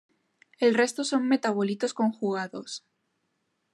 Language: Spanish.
El resto son metabolitos conjugados.